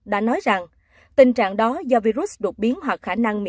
đặc biệt là mụn thuyết của virus cho nên có hiệu quả đáng chú ý